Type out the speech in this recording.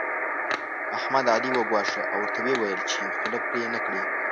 احمد؛ علي وګواښه او ورته ويې ويل چې خوله پرې نه کړې.